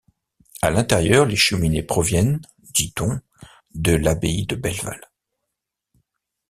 À l'intérieur, les cheminées proviennent, dit-on, de l'abbaye de Belval.